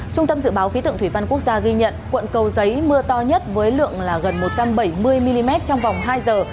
trung tâm dự báo khí tượng thủy văn quốc gia ghi nhận quận cầu giấy mưa to nhất với lượng gần một trăm bảy mươi mm trong vòng hai giờ